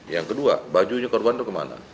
yang kedua bajunya korban itu kemana